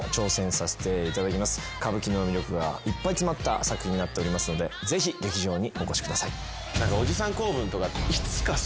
歌舞伎の魅力がいっぱい詰まった作品になっておりますのでぜひ劇場にお越しください。